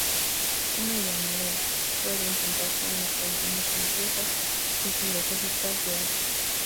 Una idea análoga puede encontrarse en las tradiciones religiosas y filosóficas de Asia.